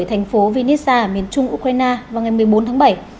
ở thành phố vinnytsia miền trung ukraine vào ngày một mươi bốn tháng bảy